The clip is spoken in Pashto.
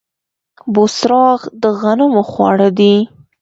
بوسراغ د غنمو خواړه دي.